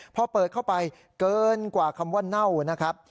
พอเปิดเข้าไปเกินกว่าคำว่าเน่านะครับ